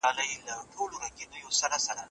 ما ډېره هڅه کوله خو توري مې په ذهن کې نه کښېناستل.